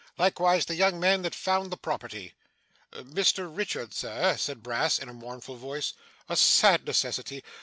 Likewise the young man that found the property.' 'Mr Richard, Sir,' said Brass in a mournful voice. 'A sad necessity.